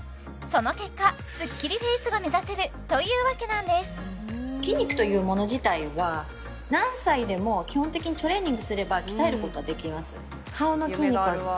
その結果スッキリフェイスが目指せるというわけなんです筋肉というもの自体は何歳でも基本的にトレーニングすれば鍛えることはできます